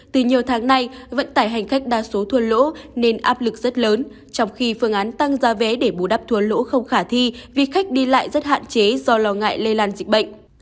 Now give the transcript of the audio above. từ nhiều tháng nay vận tải hành khách đa số thua lỗ nên áp lực rất lớn trong khi phương án tăng giá vé để bù đắp thua lỗ không khả thi vì khách đi lại rất hạn chế do lo ngại lây lan dịch bệnh